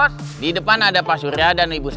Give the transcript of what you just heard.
karena maka menjadi cemas